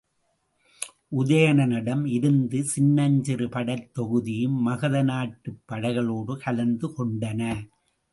உதயணனிடம் இருந்த சின்னஞ்சிறு படைத் தொகுதியும் மகத நாட்டுப் படைகளோடு கலந்து கொண்டன.